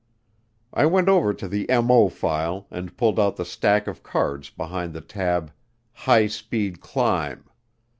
I went over to the MO file and pulled out the stack of cards behind the tab "High Speed Climb."